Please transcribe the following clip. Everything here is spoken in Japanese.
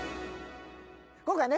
今回ね